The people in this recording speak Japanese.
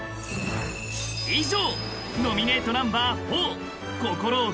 ［以上］